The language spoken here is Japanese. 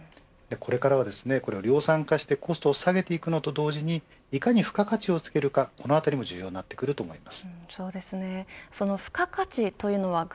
これを量産化してコストを下げていくのと同時にいかに付加価値をつけるかこのあたりも重要になってくると思います。